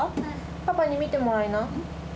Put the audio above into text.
パパに見てもらいな。